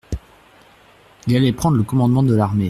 Il allait prendre le commandement de l'armée.